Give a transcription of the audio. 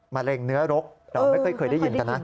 มะเร็งเนื้อรกเราไม่ค่อยเคยได้ยินกันนะ